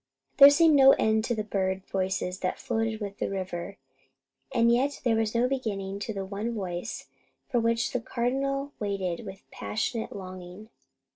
There seemed no end to the bird voices that floated with the river, and yet there was no beginning to the one voice for which the Cardinal waited with passionate longing.